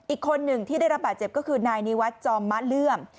อีกคนหนึ่งที่ได้รับบาดเจ็บก็คือนายนิวัตรจอมมะเลื่อม